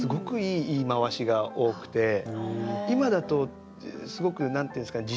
今だとすごく何て言うんですかね